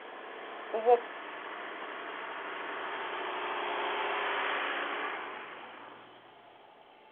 Hubo varias otras reconstrucciones en los últimos años.